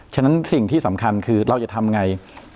ฉะนั้นสิ่งที่สำคัญคือเราจะทำไง